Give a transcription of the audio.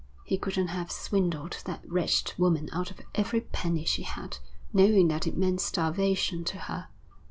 He couldn't have swindled that wretched woman out of every penny she had, knowing that it meant starvation to her.